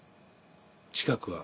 近くは。